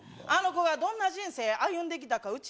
あの子がどんな人生歩んできたか